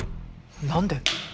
何で？